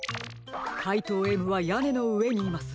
かいとうＭはやねのうえにいます。